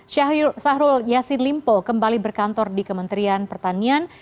syahrul yassin limpo kembali berkantor di kementerian pertanian